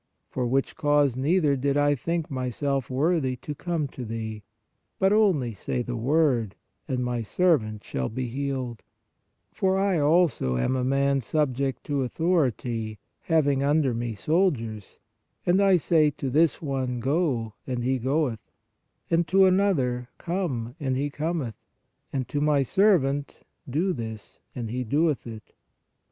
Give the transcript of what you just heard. For which cause neither did I think my self worthy to come to Thee ; but only say the word, and my servant shall be healed; for I also am a man subject to authority, having under me soldiers ; ;6 PRAYER and I say to this one, Go, and he goeth, and to an other, Come, and he cometh; and to my servant, Do this, and he doeth it.